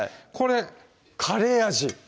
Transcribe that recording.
これカレー味！